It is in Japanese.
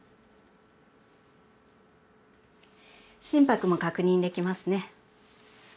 心拍も確認できますね。